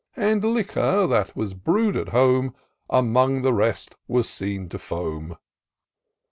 And liquor, that was brew'd at home. Among the rest was seen to foam.